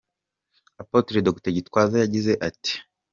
Apotre Dr Paul Gitwaza yagize ati: .